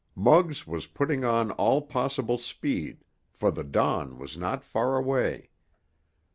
Muggs was putting on all possible speed, for the dawn was not far away.